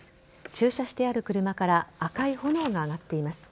駐車してある車から赤い炎が上がっています。